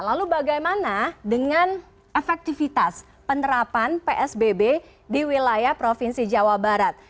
lalu bagaimana dengan efektivitas penerapan psbb di wilayah provinsi jawa barat